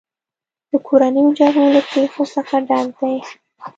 د کورنیو جګړو له پېښو څخه ډک دی.